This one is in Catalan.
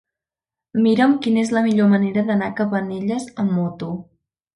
Mira'm quina és la millor manera d'anar a Cabanelles amb moto.